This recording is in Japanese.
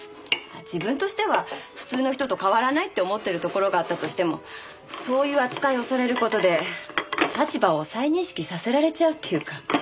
自分としては普通の人と変わらないって思ってるところがあったとしてもそういう扱いをされる事で立場を再認識させられちゃうっていうか。